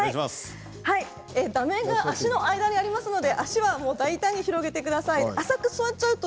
打面が足の間にありますので足は大胆に広げてください。